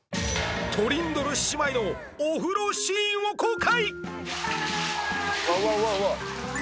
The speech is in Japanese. トリンドル姉妹のお風呂シーンを公開